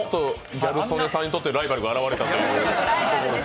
ギャル曽根さんにとってのライバルが現れたという。